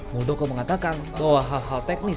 muldoko mengatakan bahwa hal hal tersebut tidak bergantung